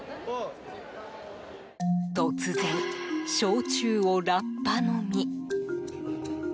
突然、焼酎をラッパ飲み。